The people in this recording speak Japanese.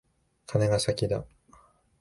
カネが先だ。